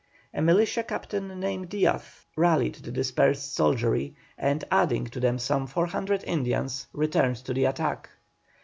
A militia captain named Diaz rallied the dispersed soldiery, and adding to them some 400 Indians, returned to the attack.